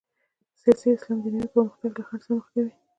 سیاسي اسلام دنیوي پرمختګ له خنډ سره مخ کوي.